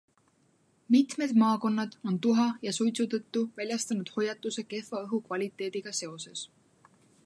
Mitmed maakonnad on tuha ja suitsu tõttu väljastanud hoiatuse kehva õhukvaliteediga seoses.